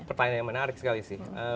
pertanyaan yang menarik sekali sih